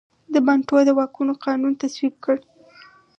د بانټو د واکونو قانون تصویب کړ.